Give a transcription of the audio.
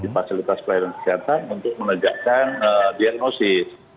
fasilitas pelayanan kesehatan untuk menegakkan diagnosis